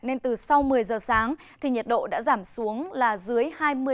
nên từ sau một mươi giờ sáng thì nhiệt độ đã giảm xuống là dưới hai mươi